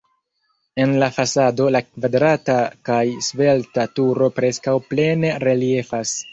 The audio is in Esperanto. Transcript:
En la fasado la kvadrata kaj svelta turo preskaŭ plene reliefas.